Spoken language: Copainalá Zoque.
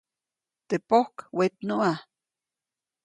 Teʼ pojk wetnuʼa.